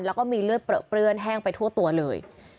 แล้วก็มีเลือดเปลือเปื้อนแห้งไปทั่วตัวเลย